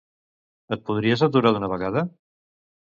Et podries aturar d'una vegada?